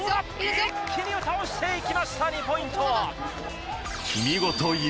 一気に倒していきました、２ポイント。